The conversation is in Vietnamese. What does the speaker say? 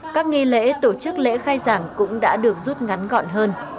các nghi lễ tổ chức lễ khai giảng cũng đã được rút ngắn gọn hơn